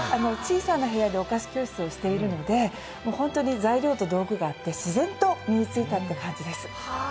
小さな部屋でお菓子教室をしているので、材料と道具があって自然と身についたって感じです。